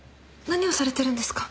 何をされてるんですか？